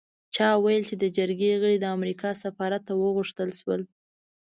چا ویل چې د جرګې غړي د امریکا سفارت ته وغوښتل شول.